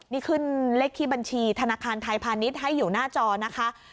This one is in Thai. นี่ขึ้นเลขที่บัญชีธนาคารไทยพาณิชย์ให้อยู่หน้าจอนะคะ